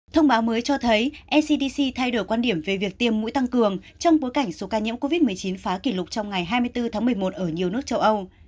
thông báo mới cho thấy ecdc thay đổi quan điểm về việc tiêm mũi tăng cường trong bối cảnh số ca nhiễm covid một mươi chín phá kỷ lục trong ngày hai mươi bốn tháng một mươi một ở nhiều nước châu âu